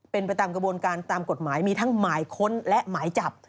เป็นไปตามกระบวนการตามกฎหมายมีทั้งหมายค้นและหมายจับ